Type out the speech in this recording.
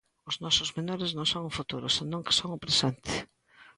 Os nosos menores non son o futuro, senón que son o presente.